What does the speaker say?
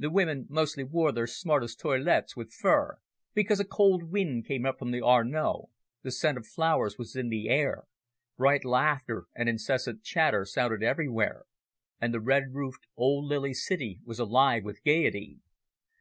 The women mostly wore their smartest toilettes with fur, because a cold wind came up from the Arno, the scent of flowers was in the air, bright laughter and incessant chatter sounded everywhere, and the red roofed old Lily City was alive with gaiety.